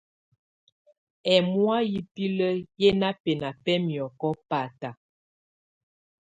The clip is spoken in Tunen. Ɛ́mɔ̀á yɛ́ biǝ́li ƴɛ́ ná bɛ́ná bɛ́ miɔ̀kɔ báta.